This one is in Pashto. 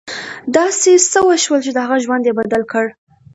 داسې څه وشول چې د هغه ژوند یې بدل کړ